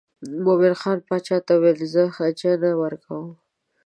مومن خان باچا ته وویل زه ججه نه ورکوم.